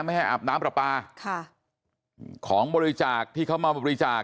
ไม่ให้อาบน้ำปลาปลาค่ะของบริจาคที่เขามาบริจาค